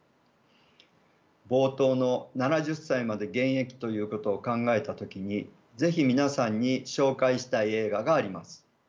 冒頭の７０歳まで現役ということを考えた時に是非皆さんに紹介したい映画があります。